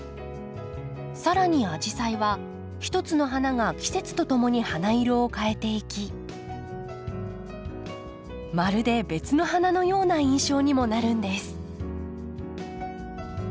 更にアジサイは一つの花が季節とともに花色を変えていきまるで別の花のような印象にもなるんです。